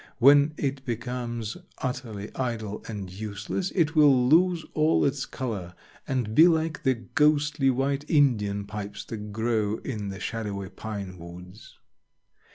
When it becomes utterly idle and useless it will lose all its color and be like the ghostly white Indian pipes that grow in the shadowy pine woods.